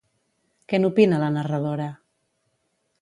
Què n'opina la narradora?